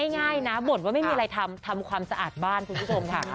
ง่ายนะบ่นว่าไม่มีอะไรทำทำความสะอาดบ้านคุณผู้ชมค่ะ